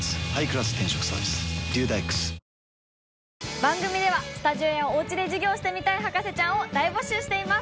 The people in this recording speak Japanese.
番組ではスタジオやお家で授業してみたい博士ちゃんを大募集しています。